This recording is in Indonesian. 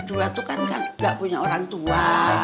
apalagi kalian berdua kan gak punya orang tua